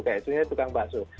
kayak itu ini tukang bakso